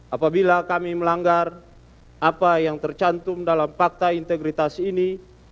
apabila kami melanggar apa yang tercantum dalam fakta integritas ini